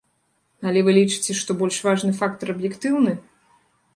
Але вы лічыце, што больш важны фактар аб'ектыўны?